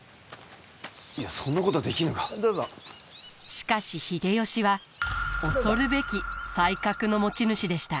しかし秀吉は恐るべき才覚の持ち主でした。